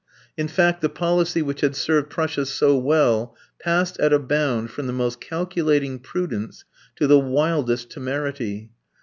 In fact, the policy which had served Prussia so well passed at a bound from the most calculating prudence to the wildest temerity.